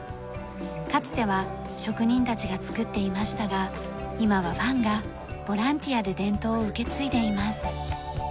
かつては職人たちが作っていましたが今はファンがボランティアで伝統を受け継いでいます。